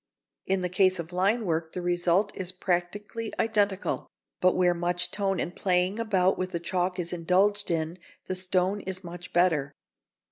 In the case of line work the result is practically identical, but where much tone and playing about with the chalk is indulged in, the stone is much better.